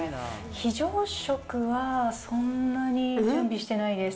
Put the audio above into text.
非常食はそんなに準備してないです。